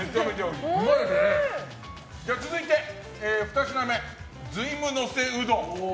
続いて２品目、瑞夢のせうどん。